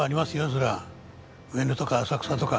そりゃ上野とか浅草とか。